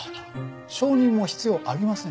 証人も必要ありません。